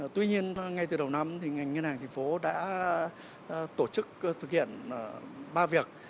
tuy nhiên ngay từ đầu năm ngành ngân hàng tp hcm đã tổ chức thực hiện ba việc